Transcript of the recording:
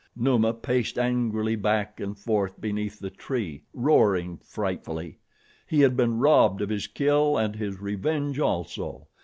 Numa paced angrily back and forth beneath the tree, roaring frightfully. He had been robbed of his kill and his revenge also.